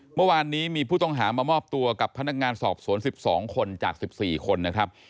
เมื่อวานนี้มีผู้ต้องหามามอบตัวกับพนักงานสอบสวน๑๒คนจาก๑๔คนนะครับ